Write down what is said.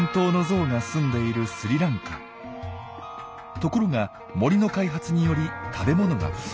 ところが森の開発により食べ物が不足。